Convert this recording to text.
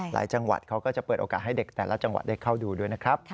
จังหวัดเขาก็จะเปิดโอกาสให้เด็กแต่ละจังหวัดได้เข้าดูด้วยนะครับ